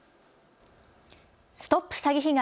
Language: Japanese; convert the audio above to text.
ＳＴＯＰ詐欺被害！